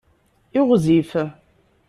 Iɣzif.